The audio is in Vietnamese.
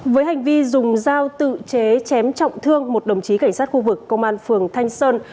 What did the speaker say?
với hành vi dùng dao tự chế chém trọng thương một đồng chí cảnh sát khu vực công an phường thanh sơn